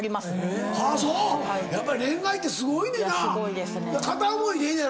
やっぱり恋愛ってすごいねんな。